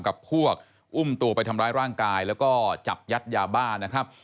กับพวกอุ้มตัวไปทำร้ายร่างกายแล้วก็จับยัดยาบ้านะครับ